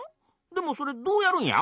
でもそれどうやるんや？